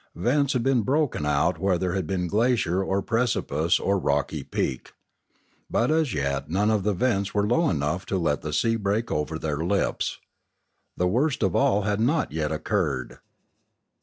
Vents had been broken out where there had been glacier or precipice or rocky peak. But as yet none of the vents were low enough to let the sea break over their lips. The worst of all had not yet occurred.